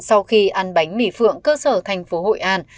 sau khi ăn bánh mì phượng cơ sở tp hội an